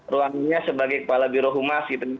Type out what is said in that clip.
ruangnya sebagai kepala birohumas gitu